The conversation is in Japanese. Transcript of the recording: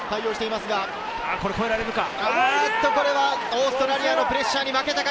これはオーストラリアのプレッシャーに負けたか。